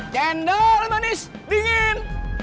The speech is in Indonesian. cendol manis dingin